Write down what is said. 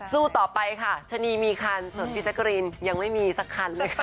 สู้ต่อไปค่ะชะนีมีคันส่วนพี่แจ๊กรีนยังไม่มีสักคันเลยค่ะ